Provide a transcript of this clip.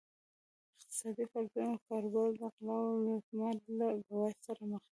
اقتصادي فعالیتونه او کاروبار د غلا او لوټمارۍ له ګواښ سره مخ دي.